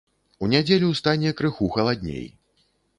У нядзелю стане крыху халадней.